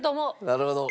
なるほど。